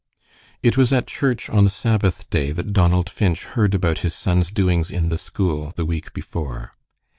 It was at church on the Sabbath day that Donald Finch heard about his son's doings in the school the week before.